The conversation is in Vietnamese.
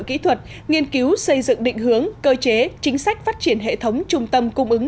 kỹ thuật nghiên cứu xây dựng định hướng cơ chế chính sách phát triển hệ thống trung tâm cung ứng